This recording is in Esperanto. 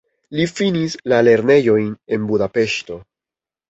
Li finis la lernejojn en Budapeŝto.